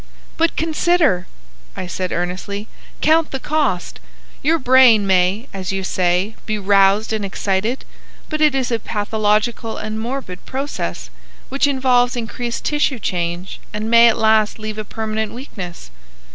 "But consider!" I said, earnestly. "Count the cost! Your brain may, as you say, be roused and excited, but it is a pathological and morbid process, which involves increased tissue change and may at last leave a permanent weakness.